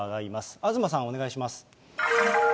東さん、お願いします。